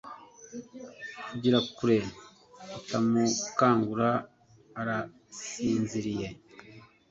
Vugira kure utamukangura arasinziriye